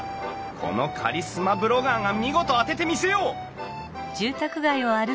このカリスマブロガーが見事当ててみせよう！